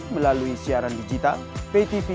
melalui siaran digital ptv